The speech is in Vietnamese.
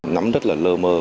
nắm rất là lơ mơ